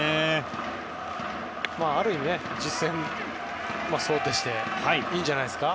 ある意味、実戦を想定していいんじゃないですか。